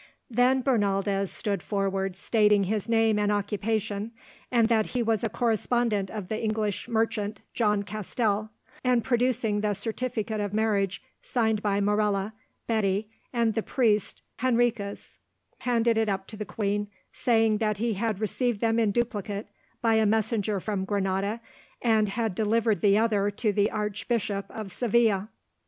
Then Bernaldez stood forward, stating his name and occupation, and that he was a correspondent of the English merchant, John Castell, and producing the certificate of marriage signed by Morella, Betty, and the priest Henriques, handed it up to the queen saying that he had received them in duplicate by a messenger from Granada, and had delivered the other to the Archbishop of Seville.